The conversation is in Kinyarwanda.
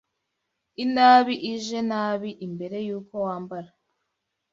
inabi ije nabi imbere y’uko wambara